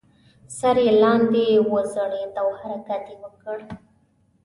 سر یې لاندې وځړید او حرکت یې وکړ.